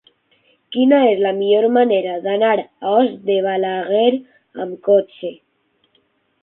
Quina és la millor manera d'anar a Os de Balaguer amb cotxe?